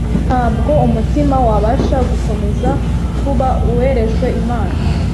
Ntabwo umutima wabasha gukomeza kuba uwerejwe Imana